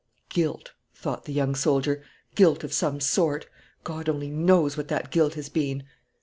"Guilt," thought the young soldier; "guilt of some sort. God only knows what that guilt has been!"